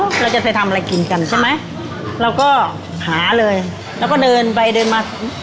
เราจะไปทำอะไรกินกันใช่ไหมเราก็หาเลยแล้วก็เดินไปเดินมา